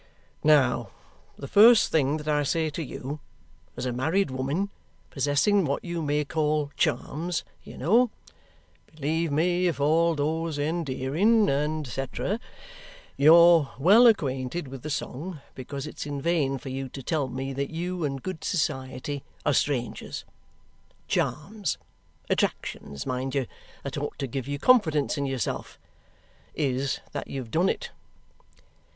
"Now, the first thing that I say to you, as a married woman possessing what you may call charms, you know 'Believe Me, if All Those Endearing,' and cetrer you're well acquainted with the song, because it's in vain for you to tell me that you and good society are strangers charms attractions, mind you, that ought to give you confidence in yourself is, that you've done it."